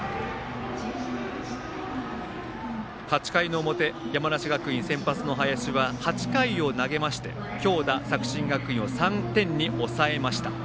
８回の表、山梨学院先発の林は８回を投げまして強打、作新学院を３点に抑えました。